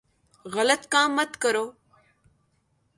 غلط کام مت کرو ـ